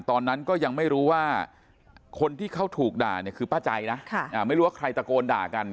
ตอนนั้นก็ยังไม่รู้ว่าคนที่เขาถูกด่าเนี่ยคือป้าใจนะไม่รู้ว่าใครตะโกนด่ากัน